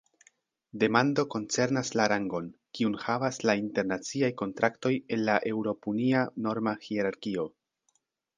Demando koncernas la rangon, kiun havas la internaciaj kontraktoj en la eŭropunia norma hierarkio.